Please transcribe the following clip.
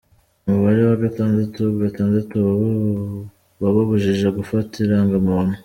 Umubare wa gatandatu gatandatu wababujije gufata irangamuntu